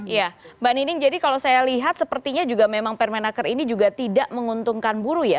ya mbak nining jadi kalau saya lihat sepertinya juga memang permenaker ini juga tidak menguntungkan buruh ya